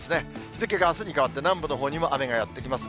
日付があすに変わって南部のほうにも雨がやって来ます。